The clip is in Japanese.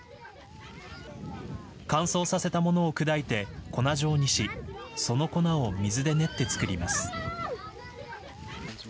乾燥させたものを砕いて粉状にしその粉を水で練って作ります。